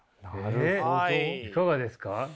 えっいかがですか？